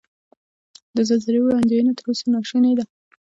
د زلزلې وړاندوینه تر اوسه نا شونې ده.